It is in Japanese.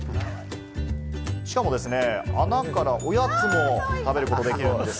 しかもですね、穴からおやつも食べることができるんです。